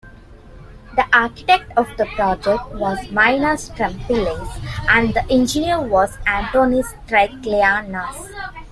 The architect of the project was Minas Trempelas and the engineer was Antonis Triglianos.